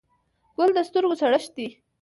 ګل د سترګو سړښت دی.